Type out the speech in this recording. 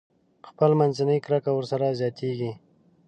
خپل منځي کرکه ورسره زياتېږي.